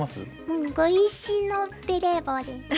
うん碁石のベレー帽です。